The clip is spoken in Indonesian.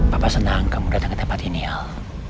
papa senang kamu datang ke tempat ini al